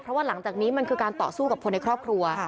เพราะว่าหลังจากนี้มันคือการต่อสู้กับคนในครอบครัว